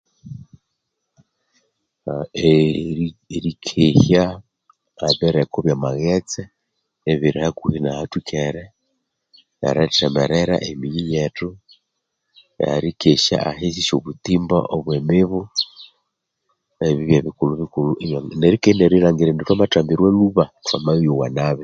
ah eh erikehya ebireko bya maghetse ebiri hakuhi na hathwikere nerithemerera emiyi yethu ne erikesya ahisi syo butimba obwe mibu ebyo byebikulhubikulhu ebye neryo indi nerilhangiri indi thwamatgambirwa lhuba thwamayowa nabi